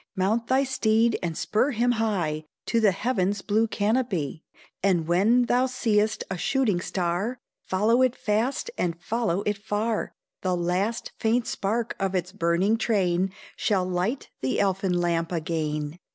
Mount thy steed and spur him high To the heaven's blue canopy; And when thou seest a shooting star, Follow it fast, and follow it far The last faint spark of its burning train Shall light the elfin lamp again.